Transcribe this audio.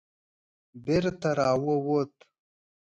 بېرته را ووت.